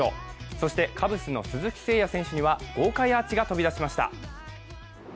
そしてカブスの鈴木誠也選手には豪快アーチが飛び出しました。